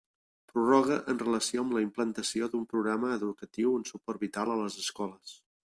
Prorroga en relació amb la implantació d'un programa educatiu en suport vital a les escoles.